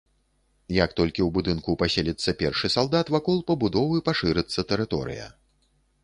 Як толькі ў будынку паселіцца першы салдат, вакол пабудовы пашырыцца тэрыторыя.